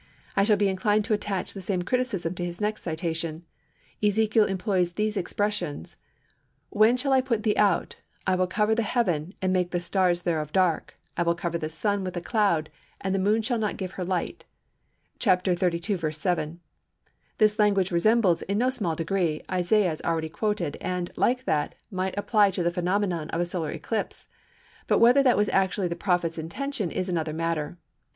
I shall be inclined to attach the same criticism to his next citation. Ezekiel employs these expressions:—"When I shall put thee out, I will cover the heaven, and make the stars thereof dark; I will cover the Sun with a cloud, and the Moon shall not give her light" (xxxii. 7). This language resembles, in no small degree, Isaiah's, already quoted, and, like that, might apply to the phenomenon of a solar eclipse, but whether that was actually the prophet's intention is another matter.